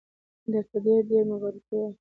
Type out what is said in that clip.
درته ډېر ډېر مبارکي وایم.